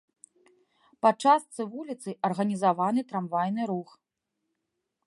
Па частцы вуліцы арганізаваны трамвайны рух.